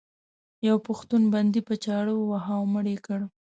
یو پښتون بندي په چاړه وواهه او مړ یې کړ.